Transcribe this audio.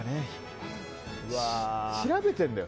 調べてるんだよ！